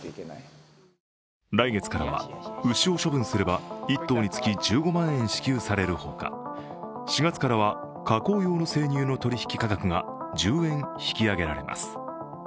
来月からは牛を処分すれば１頭につき１５万円支給されるほか４月からは加工用の生乳の取引価格が１０円引き上げられます。